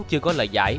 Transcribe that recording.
chưa có lời giải